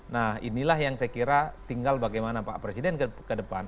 nah inilah yang saya kira tinggal bagaimana pak presiden ke depan